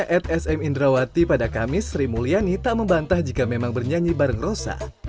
di instagram saya atsmindrawati pada kamis sri mulyani tak membantah jika memang bernyanyi bareng rosa